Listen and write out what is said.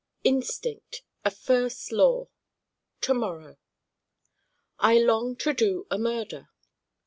Instinct a 'first law' To morrow I long to do a Murder.